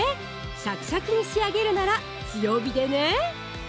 シャキシャキに仕上げるなら強火でね！